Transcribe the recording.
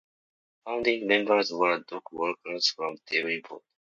Founding members were dockworkers from Dublin Port.